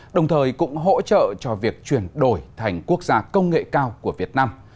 đồng thời cũng hỗ trợ cho việc chuyển đổi thành quốc gia công nghệ cao của việt nam